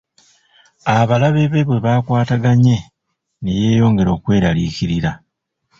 Abalabe be bwe bakwataganye ne yeeyongera okweraliikirira.